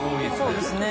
そうですね。